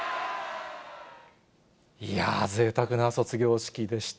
いやー、ぜいたくな卒業式でした。